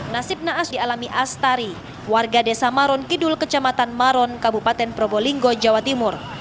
nasib naas dialami astari warga desa maron kidul kecamatan maron kabupaten probolinggo jawa timur